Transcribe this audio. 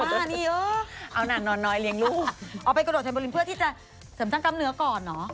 อันนี้เอานางนอนน้อยเลี้ยงลูกเอาไปกระโดดชายบรินเพื่อที่จะเสริมสร้างกล้ามเนื้อก่อนเหรอ